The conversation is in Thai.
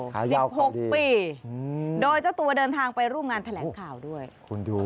ขายาวของดีโดยเจ้าตัวเดินทางไปร่วมงานแถลงข่าวด้วยโอ้โฮคุณดู